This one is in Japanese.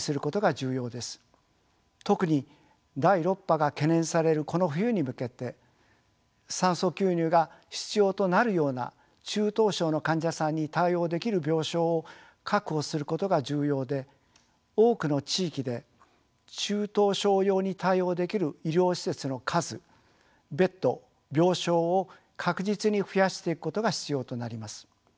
特に第６波が懸念されるこの冬に向けて酸素吸入が必要となるような中等症の患者さんに対応できる病床を確保することが重要で多くの地域で中等症用に対応できる医療施設の数ベッド病床を確実に増やしていくことが必要となります。